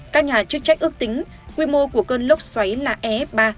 các nhà chức trách ước tính quy mô của cơn lốc xoáy là ef ba